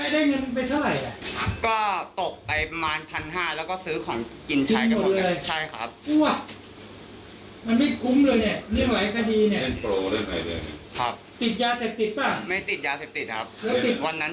ได้เงินเป็นเท่าไหร่อ่ะก็ตกไปประมาณพันห้าแล้วก็ซื้อของกินใช้กัน